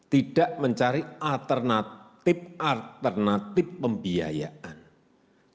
tidak mencari alternatif alternatif pembiayaan